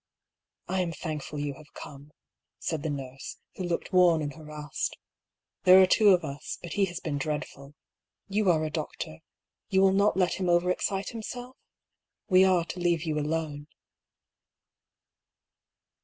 " I am thankful you have come," said the nurse, who looked worn and harassed. " There are two of us, but he has been dreadful. You are a doctor. You will not let him over excite himself ? We are to leave you alone."